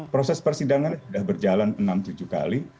proses persidangan sudah berjalan enam tujuh kali